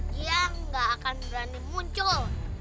kian tidak akan berani muncul